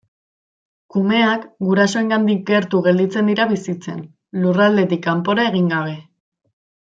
Kumeak gurasoengandik gertu gelditzen dira bizitzen, lurraldetik kanpora egin gabe.